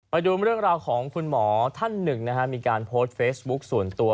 ไปดูเรื่องราวของคุณหมอท่านหนึ่งนะฮะมีการโพสต์เฟซบุ๊คส่วนตัว